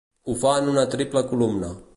Ho fa en una triple columna.